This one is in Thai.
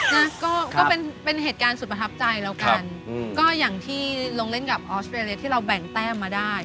นะก็เป็นเหตุการณ์สุดประทับใจแล้วกันก็อย่างที่ลงเล่นกับออสเตรเลียที่เราแบ่งแต้มมาได้